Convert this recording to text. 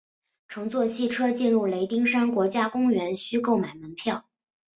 乘坐汽车进入雷丁山国家公园需购买门票。